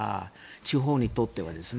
地方にとってはですね。